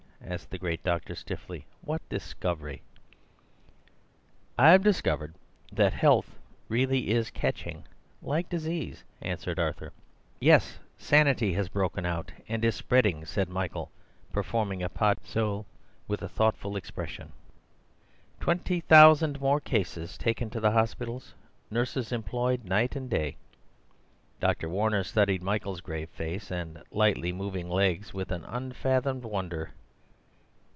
asked the great doctor stiffly—"what discovery?" "I've discovered that health really is catching, like disease," answered Arthur. "Yes; sanity has broken out, and is spreading," said Michael, performing a pas seul with a thoughtful expression. "Twenty thousand more cases taken to the hospitals; nurses employed night and day." Dr. Warner studied Michael's grave face and lightly moving legs with an unfathomed wonder.